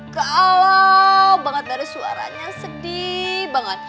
kalau banget dari suaranya sedih banget